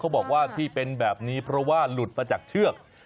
บอกว่าที่เป็นแบบนี้เพราะว่าหลุดมาจากเชือก